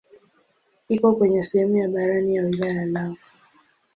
Iko kwenye sehemu ya barani ya wilaya ya Lamu.